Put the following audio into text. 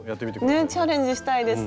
ねチャレンジしたいです。